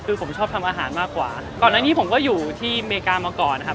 คือผมชอบทำอาหารมากกว่าก่อนอันนี้ผมก็อยู่ที่อเมริกามาก่อนนะครับ